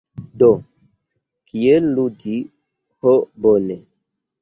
Do. "Kiel ludi". Ho bone.